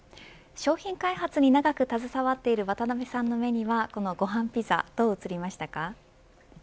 商品開発に長く携わっている渡辺さんの目にはこのごはんピザどう映りましたか。